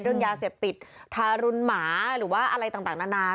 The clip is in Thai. เรื่องยาเสพติดทารุณหมาหรือว่าอะไรต่างนานา